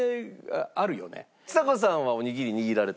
ちさ子さんはおにぎり握られたり？